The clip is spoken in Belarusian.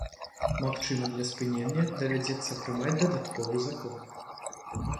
Магчыма, для спынення давядзецца прымаць дадатковыя законы.